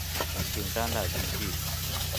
紧张的情绪